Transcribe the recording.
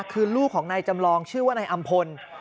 คือลูกของนายจำลองชื่อว่านายอำพล